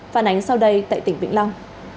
phản ánh sau đây tại tỉnh vĩnh long